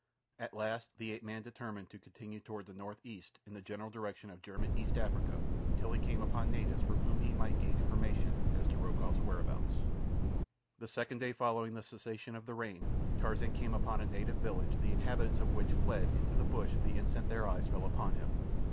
At last the ape man determined to continue toward the northeast in the general direction of German East Africa until he came upon natives from whom he might gain information as to Rokoff's whereabouts. The second day following the cessation of the rain Tarzan came upon a native village the inhabitants of which fled into the bush the instant their eyes fell upon him.